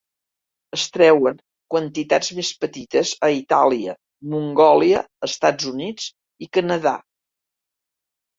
Es treuen quantitats més petites a Itàlia, Mongòlia, Estats Units i Canadà.